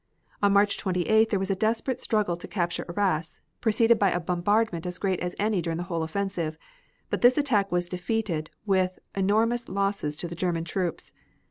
On March 28th there was a desperate struggle to capture Arras, preceded by a bombardment as great as any during the whole offensive, but this attack was defeated with enormous losses to the German troops.